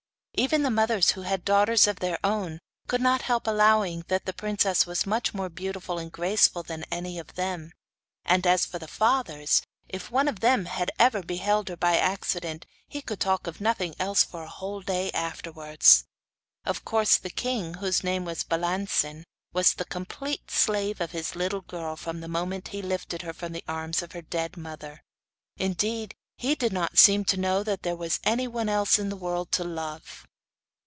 Even the mothers who had daughters of their own could not help allowing that the princess was much more beautiful and graceful than any of them; and, as for the fathers, if one of them ever beheld her by accident he could talk of nothing else for a whole day afterwards. Of course the king, whose name was Balancin, was the complete slave of his little girl from the moment he lifted her from the arms of her dead mother; indeed, he did not seem to know that there was anyone else in the world to love.